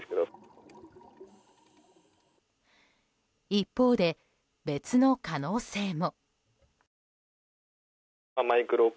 一方で別の可能性も。